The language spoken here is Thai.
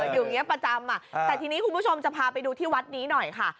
อย่างนี้ประจำแต่ทีนี้คุณผู้ชมจะพาไปดูที่วัดนี้หน่อยค่ะ